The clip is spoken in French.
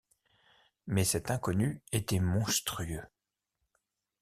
Mais cet inconnu était monstrueux.